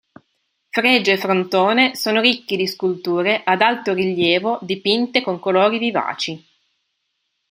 Fregio e frontone sono ricchi di sculture ad altorilievo dipinte con colori vivaci.